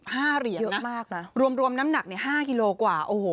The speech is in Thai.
๙๑๕เหรียญนะรวมน้ำหนัก๕กิโลกว่าโอ้โฮ